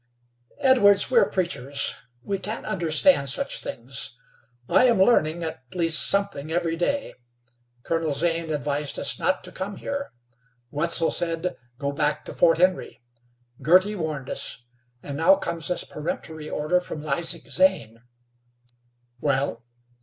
"Edwards, we're preachers. We can't understand such things. I am learning, at least something every day. Colonel Zane advised us not to come here. Wetzel said, 'Go back to Fort Henry.' Girty warned us, and now comes this peremptory order from Isaac Zane." "Well?"